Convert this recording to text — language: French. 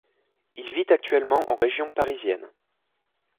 Il vit actuellement en région parisienne.